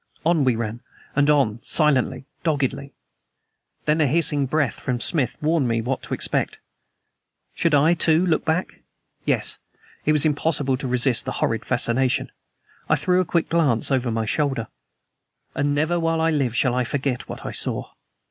On we ran, and on silently, doggedly. Then a hissing breath from Smith warned me what to expect. Should I, too, look back? Yes. It was impossible to resist the horrid fascination. I threw a quick glance over my shoulder. And never while I live shall I forget what I saw.